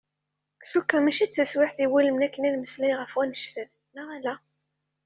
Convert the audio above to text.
Cukkuɣ mačči d taswiεt iwulmen akken ad nmeslay ɣef annect-n, neɣ ala?